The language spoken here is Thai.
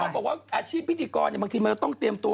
บอกว่าอาชีพพิธีกรบางทีมันจะต้องเตรียมตัว